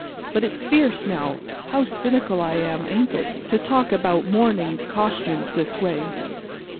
But it's fierce, now, how cynical I am, ain't it?—to talk about mourning costumes this way.